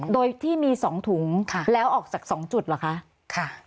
โดยที่มี๒ถุงแล้วออกจาก๒จุดเหรอคะ